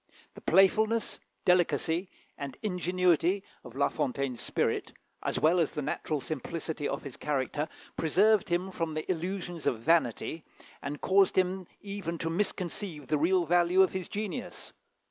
The playfulness, delicacy, and ingenuity of La Fontaine's spirit, as well as the natural simplicity of his character, preserved him from the illusions of vanity, and caused him even to misconceive the real value of his genius.